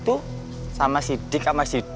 tuh sama sidik sama sidar